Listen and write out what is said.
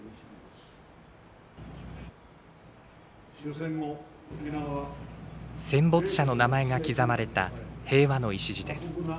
戦没者の名前が刻まれた平和の礎です。